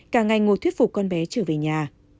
cả ngày ngồi thuyết phục con bé trở về nhà